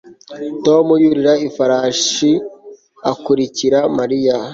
Tom yurira ifarashi akurikira Mariya